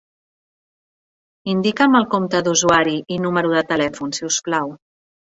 Indica'm el compte d'usuari i número de telèfon, si us plau.